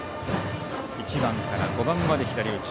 １番から５番まで左打ち。